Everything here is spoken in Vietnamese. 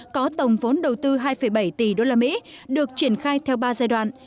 có tổng vốn đầu tư hai bảy tỷ usd được triển khai theo ba giai đoạn